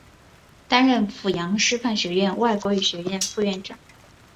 担任阜阳师范学院外国语学院副院长。